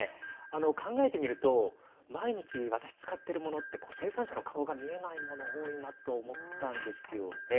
考えてみると毎日、私、使っているものって生産者の顔が見えないもの多いなと思ったんですよね。